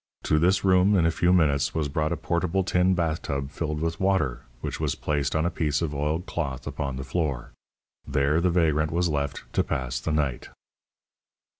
To this room, in a few minutes, was brought a portable tin bathtub filled with water, which was placed on a piece of oiled cloth upon the floor. There the vagrant was left to pass the night.